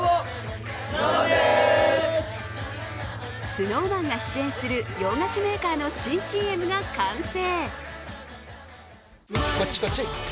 ＳｎｏｗＭａｎが出演する洋菓子メーカーの新ＣＭが完成。